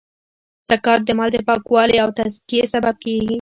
زکات د مال د پاکوالې او تذکیې سبب کیږی.